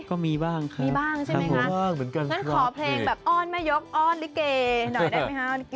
ก็มีบ้างครับนี่บ้างใช่ไหมคะครับผมบ้างเหมือนกันผมขอเพลงอ้อนแม่ยกอ้อนลิเกย์หน่อยได้ไหมคะ